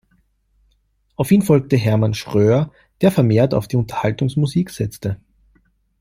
Auf ihn folgte Hermann Schröer, der vermehrt auf Unterhaltungsmusik setzte.